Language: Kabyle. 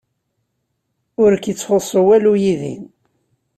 Ur k-ittxuṣṣu walu yid-i.